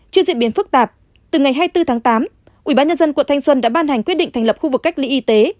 trước diễn biến phức tạp từ ngày hai mươi bốn tháng tám ủy ban nhân dân quận thanh xuân đã ban hành quyết định thành lập khu vực cách ly y tế